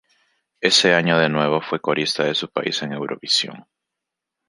Ese año, de nuevo, fue corista de su país en Eurovisión.